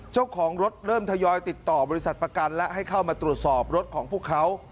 เจ้าของรถเริ่มทยอยติดต่อบริษัทประกันและให้เข้ามาตรวจสอบรถของพวกเขา